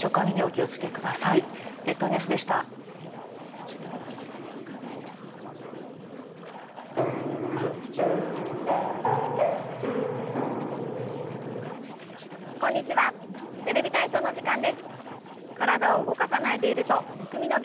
体を動かさないでいるとむくみの原因につながります。